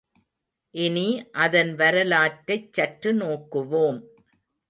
இனி அதன் வரலாற்றைச்சற்று நோக்குவோம்.